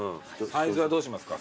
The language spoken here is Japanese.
サイズはどうしますか？